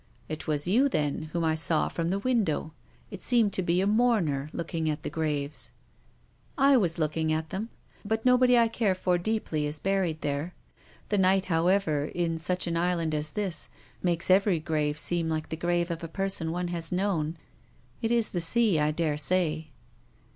" It was you, then, whom I saw from the win dow. It seemed to be a mourner looking at the graves." " I was looking at them. But nobody I care for THE RAINBOW. II deeply is buried there. The night, however, in such an island as this, makes every grave seem like the grave of a person one has known. It is the sea, I daresay."